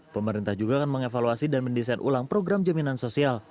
pemerintah juga akan mengevaluasi dan mendesain ulang program jaminan sosial